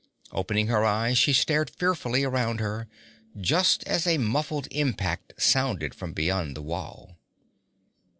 Opening her eyes she stared fearfully around her, just as a muffled impact sounded from beyond the wall.